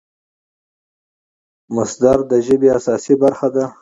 مصدر د ژبي اساسي برخه ده.